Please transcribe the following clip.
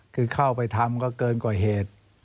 คือเข้าไปทำก็เกินกว่าเหตุ